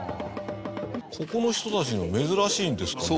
ここの人たちにも珍しいんですかね。